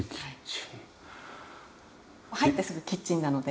入ってすぐキッチンなので。